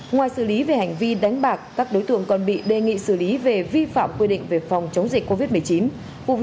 ngoài xử lý về hành vi đánh bạc các đối tượng còn bị đề nghị xử lý về vi phạm quy định về phòng chống dịch covid một mươi chín vụ việc đang được tiếp tục xử lý